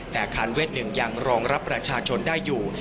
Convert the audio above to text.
แต่อาคารเวท๑ยังรองรับประชาชนได้อยู่